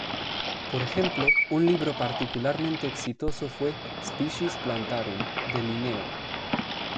Por ejemplo, un libro particularmente exitoso fue "Species Plantarum" de Linneo.